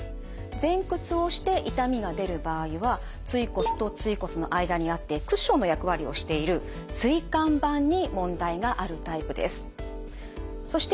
前屈をして痛みが出る場合は椎骨と椎骨の間にあってクッションの役割をしている椎間板に問題があるタイプです。